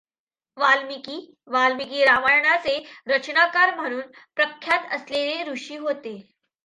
वाल्मीकि वाल्मीकि रामायणाचे रचनाकार म्हणून प्रख्यात असलेले ऋषी होते.